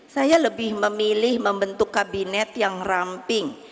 saya lebih memilih membentuk kabinet yang ramping